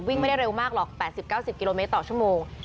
ไม่ได้เร็วมากหรอก๘๐๙๐กิโลเมตรต่อชั่วโมง